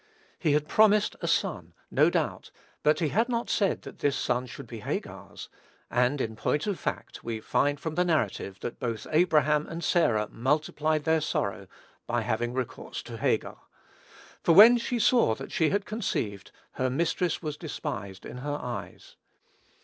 He had promised a son, no doubt, but he had not said that this son should be Hagar's; and, in point of fact, we find from the narrative, that both Abraham and Sarah "multiplied their sorrow," by having recourse to Hagar; for "when she saw that she had conceived, her mistress was despised in her eyes."